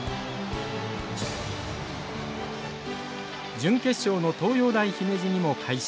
準決勝の東洋大姫路にも快勝。